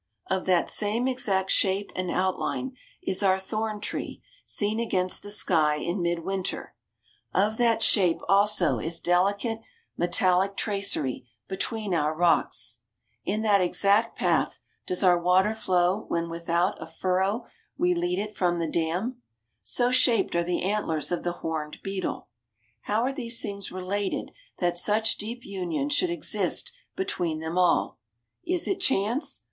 Of that same exact shape and outline is our thorn tree seen against the sky in mid winter; of that shape also is delicate metallic tracery between our rocks; in that exact path does our water flow when without a furrow we lead it from the dam; so shaped are the antlers of the horned beetle. How are these things related that such deep union should exist between them all? Is it chance?